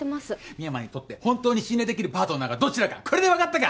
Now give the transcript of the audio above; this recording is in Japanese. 深山にとって本当に信頼できるパートナーがどちらかこれで分かったか？